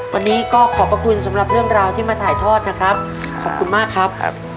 วันนี้ก็ขอบพระคุณสำหรับเรื่องราวที่มาถ่ายทอดนะครับขอบคุณมากครับ